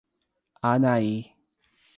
Anahy